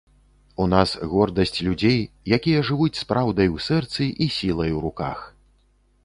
У нас гордасць людзей, якія жывуць з праўдай у сэрцы і сілай у руках.